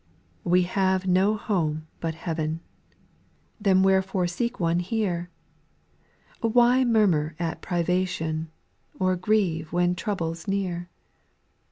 2. We have no home but heaven ; —then where fore seek one here ? Why murmur at privation, or grieve when trouble 's near